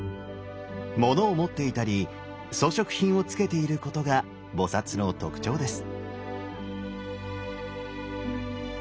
物を持っていたり装飾品をつけていることが菩の特徴です。